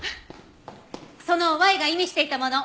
そのＹが意味していたもの